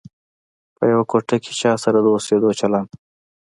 په یوه کوټه کې چا سره د اوسېدلو چلند.